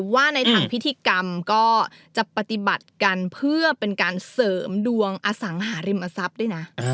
ว่าในทางพิธีกรรมก็จะปฏิบัติกันเพื่อเป็นการเสริมดวงอสังหาริมทรัพย์ด้วยนะ